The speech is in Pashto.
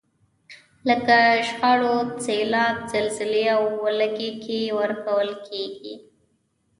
لکه شخړو، سیلاب، زلزلې او ولږې کې ورکول کیږي.